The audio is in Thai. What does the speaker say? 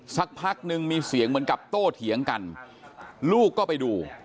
สักพักนึงมีเสียงเหมือนกับโต้เถียงกันลูกก็ไปดู